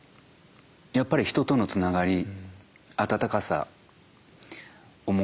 やっぱり人とのつながり温かさ思いやり。